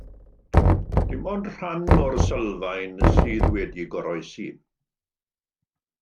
Dim ond rhan o'r sylfaen sydd wedi goroesi.